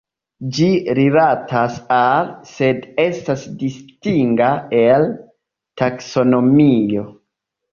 Ĝi rilatas al, sed estas distinga el taksonomio.